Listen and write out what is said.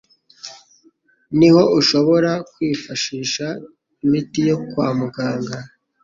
niho ushobora kwifashisha imiti yo kwa muganga,